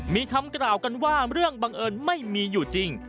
มีคำกล่าวกันว่าเรื่องบังเอิญไม่มีอยู่จริง